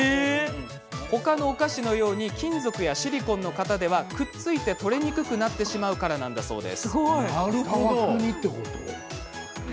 他のお菓子のように金属やシリコンの型ではくっついて取れにくくなってしまうからなんだそうです。